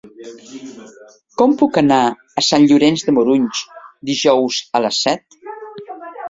Com puc anar a Sant Llorenç de Morunys dijous a les set?